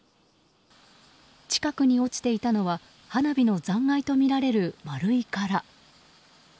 近くに落ちていたのは花火の残骸とみられる丸い殻。